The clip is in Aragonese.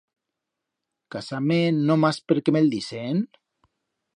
Casar-me nomás perque me'l disen?